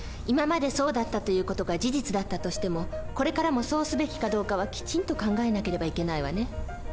今までそうだったという事が事実だったとしてもこれからもそうすべきかどうかはきちんと考えなければいけないわね。